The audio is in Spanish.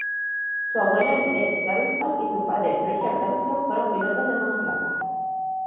Su abuelo Lex Davison y su padre Richard Davison fueron pilotos de monoplazas.